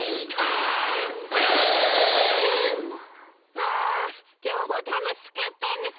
あきょうもたのしかったね。